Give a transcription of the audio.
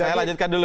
saya lanjutkan dulu